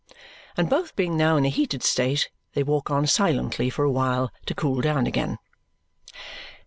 And both being now in a heated state, they walk on silently for a while to cool down again.